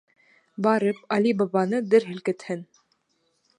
Барып, Али Бабаны дер һелкетһен.